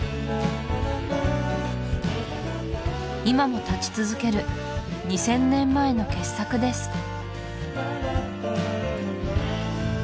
今も立ち続ける２０００年前の傑作です